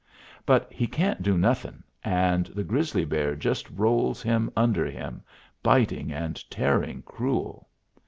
But he can't do nothing, and the grizzly bear just rolls him under him, biting and tearing cruel.